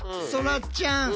そらちゃん。